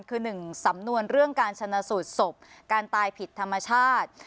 คือหนึ่งสำนวนเรื่องการชนะสูตรศพการตายผิดธรรมชาติ